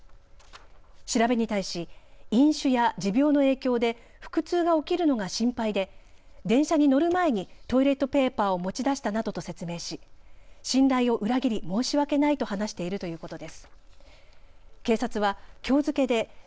調べに対し飲酒や持病の影響で腹痛が起きるのが心配で電車に乗る前にトイレットペーパーを持ち出したなどと説明し信頼を裏切り申し訳ないと話しているということです。